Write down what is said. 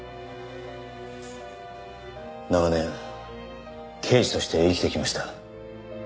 長年刑事として生きてきました。